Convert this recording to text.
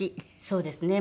そうですね。